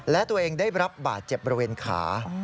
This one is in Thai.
และตัวเองได้รับบาดเจ็บบริเวณขา